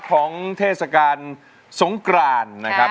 เทศกาลสงกรานนะครับ